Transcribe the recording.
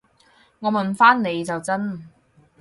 我問返你就真